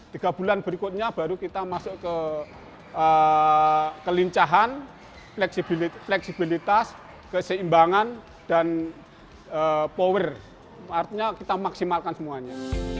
tiga bulan berikutnya baru kita masuk ke kelincahan fleksibilitas keseimbangan dan power artinya kita maksimalkan semuanya